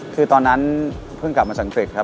คือตอนนั้นเพิ่งกลับมาจังกริก